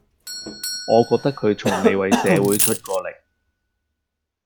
我覺得佢從未為社會出過力